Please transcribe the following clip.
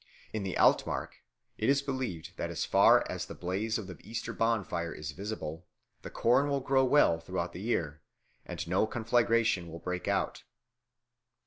In the Altmark it is believed that as far as the blaze of the Easter bonfire is visible, the corn will grow well throughout the year, and no conflagration will break out.